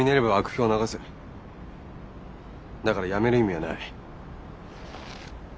だからやめる意味はない。